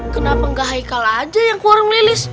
kenapa gak aikal aja yang ke warung lilis